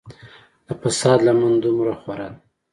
د فساد لمن دومره خوره ده.